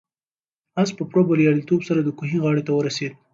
آس په پوره بریالیتوب سره د کوهي غاړې ته ورسېد.